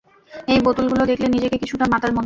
এই বোতলগুলো দেখলে নিজেকে কিছুটা মাতাল মনে হয়।